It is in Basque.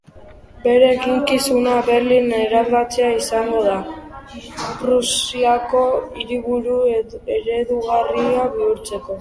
Bere eginkizuna Berlin eraldatzea izango da, Prusiako hiriburu eredugarri bihurtzeko.